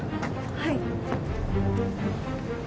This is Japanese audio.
はい。